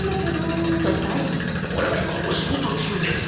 オレは今お仕事中です！